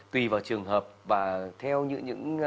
tùy vào trường hợp và theo những